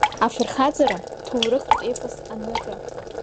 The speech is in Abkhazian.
Афырхаҵара-ҭоурыхтә епос анырра.